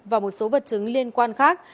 và một số vật chứng liên quan khác